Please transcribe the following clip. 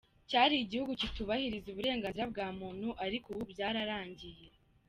Cyari igihugu kitubahiriza uburenganzira bwa muntu ariko ubu byararangiye.